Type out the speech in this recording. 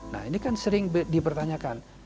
nah ini kan sering dipertanyakan